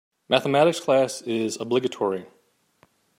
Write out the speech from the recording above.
Mathematics class is obligatory.